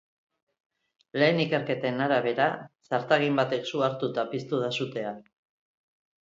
Lehen ikerketen arabera, zartagin batek su hartuta piztu da sutea.